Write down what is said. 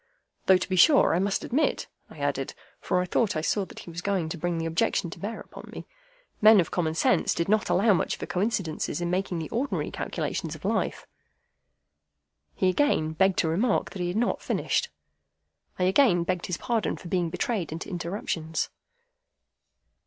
Though to be sure I must admit, I added (for I thought I saw that he was going to bring the objection to bear upon me), men of common sense did not allow much for coincidences in making the ordinary calculations of life. He again begged to remark that he had not finished. I again begged his pardon for being betrayed into interruptions.